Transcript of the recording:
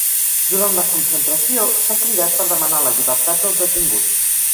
Durant la concentració s’ha cridat per demanar la llibertat del detingut.